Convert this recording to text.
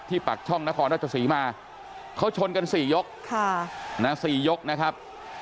ที่ปากช่องนครราชศรีมาเขาชนกันสี่ยกค่ะนะสี่ยกนะครับ